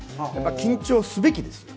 緊張すべきです。